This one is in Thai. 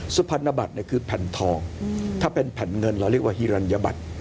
สุพรรณบัตรคือแผ่นทองถ้าเป็นแผ่นเงินเราเรียกว่าฮิรัญญบัตร